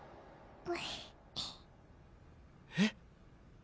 えっ？